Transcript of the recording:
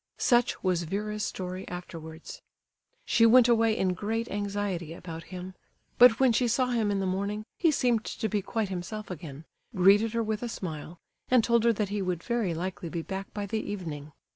Such was Vera's story afterwards. She went away in great anxiety about him, but when she saw him in the morning, he seemed to be quite himself again, greeted her with a smile, and told her that he would very likely be back by the evening.